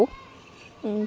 cho nên là